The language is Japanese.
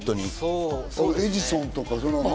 『エジソン』とか。